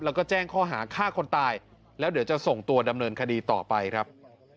แล้วก็แจ้งข้อหาฆ่าคนตายแล้วเดี๋ยวจะส่งตัวดำเนินคดีต่อไปครับ